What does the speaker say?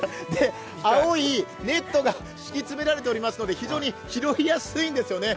青いネットが敷き詰められていますので非常に拾いやすいんですよね。